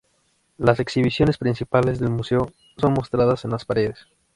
Las exhibiciones principales del museo son mostradas en las paredes.